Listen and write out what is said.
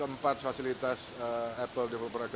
terima kasih banyak banyak